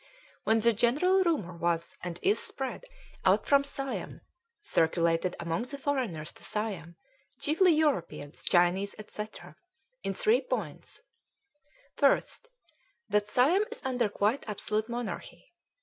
"When the general rumor was and is spread out from Siam, circulated among the foreigners to Siam, chiefly Europeans, Chinese, &c, in three points: "1. That Siam is under quite absolute Monarchy.